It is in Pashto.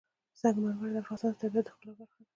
سنگ مرمر د افغانستان د طبیعت د ښکلا برخه ده.